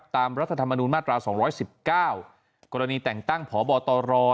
ตามรัฐธรรมนุนมาตราว๒๑๙กรณีแต่งตั้งผอบตร